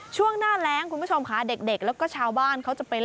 ช่วงหน้าแร้งคุณผู้ชมค่ะเด็กเด็กแล้วก็ชาวบ้าน